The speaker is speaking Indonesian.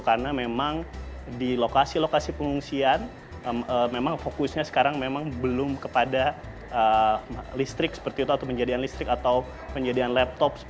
karena memang di lokasi lokasi pengungsian memang fokusnya sekarang memang belum kepada listrik seperti itu atau penjadian listrik atau penjadian laptop